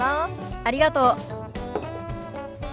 ありがとう。